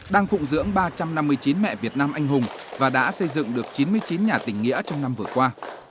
đang phụng dưỡng ba trăm năm mươi chín mẹ việt nam anh hùng và đã xây dựng được chín mươi chín nhà tỉnh nghĩa trong năm vừa qua